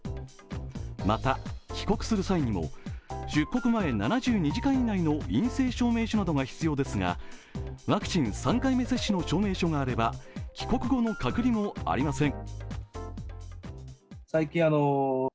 また、帰国する際にも出国前７２時間以内の陰性証明書などが必要ですが、ワクチン３回目接種の証明書があれば帰国後の隔離もありません。